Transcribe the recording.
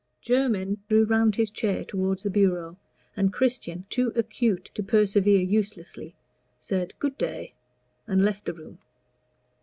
Jermyn drew round his chair toward the bureau, and Christian, too acute to persevere uselessly, said, "Good day," and left the room.